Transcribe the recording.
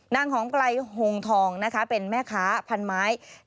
นางของไกล่โหงทองเป็นแม่ค้าพันไม้